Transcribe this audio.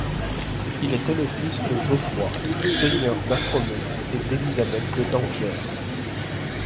Il était fils de Geoffroy, seigneur d’Apremont et d’Élisabeth de Dampierre.